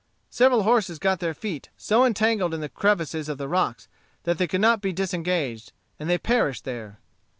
Several horses got their feet so entangled in the crevices of the rocks that they could not be disengaged, and they perished there.